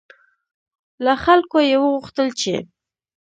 له خلکو یې وغوښتل چې